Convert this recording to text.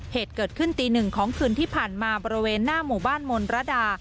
เหตุเกิดขึ้นตีหนึ่งของคืนที่ผ่านมาบริเวณหน้าหมู่บ้านมนรดา